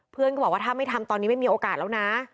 เพื่อนก็บอกว่าถ้าไม่ทำตอนนี้ไม่มีโอกาสแล้วนะ